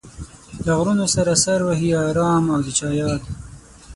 له غرونو سره سر وهي ارام او د چا ياد